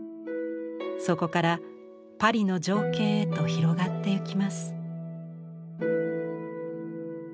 そこからパリの情景へと広がっていきます。